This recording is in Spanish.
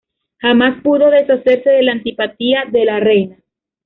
Jamás pudo deshacerse de la antipatía de la reina.